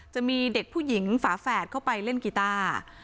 จะมีเด็กผู้หญิงฝาแฝดเข้าไปเล่นกีต้า